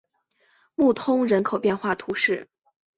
穆通人口变化图示